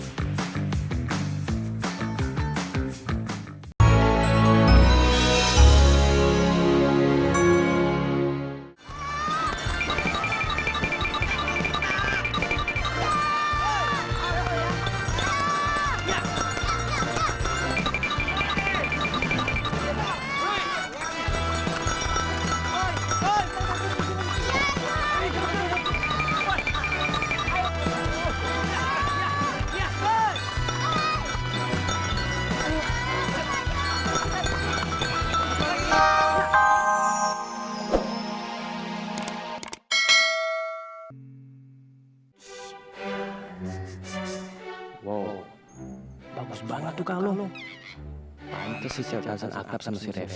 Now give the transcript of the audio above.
dia juga udah males hidup setelah kehilangan anak istrinya